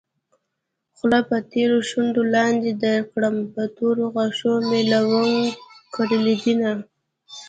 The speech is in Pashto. خوله به تر شونډو لاندې درکړم په تورو غاښو مې لونګ کرلي دينه